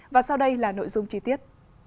và sau đây là nội dung chi tiết